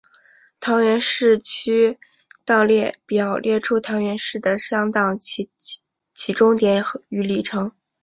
桃园市区道列表列出桃园市的乡道的起终点与里程。